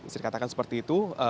saya katakan seperti itu